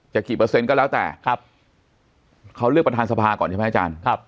กี่เปอร์เซ็นต์ก็แล้วแต่ครับเขาเลือกประธานสภาก่อนใช่ไหมอาจารย์